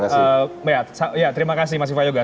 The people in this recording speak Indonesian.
terima kasih ya terima kasih mas ifayoga